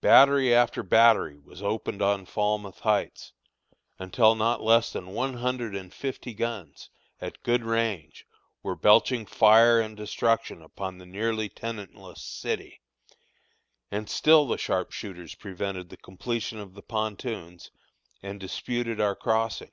Battery after battery was opened on Falmouth Heights, until not less than one hundred and fifty guns, at good range, were belching fire and destruction upon the nearly tenantless city, and still the sharpshooters prevented the completion of the pontoons, and disputed our crossing.